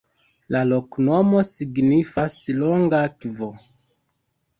La loknomo signifas: longa-akvo.